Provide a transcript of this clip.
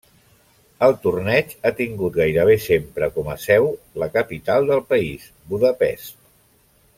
El torneig ha tingut gairebé sempre com a seu la capital del país, Budapest.